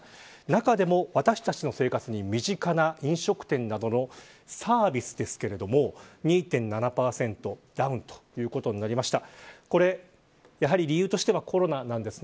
中でも、私たちの生活に身近な飲食店などのサービスですが２．７％ダウンとなりました。